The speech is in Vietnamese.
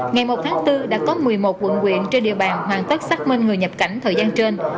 ngày một tháng bốn đã có một mươi một quận quyện trên địa bàn hoàn tất xác minh người nhập cảnh thời gian trên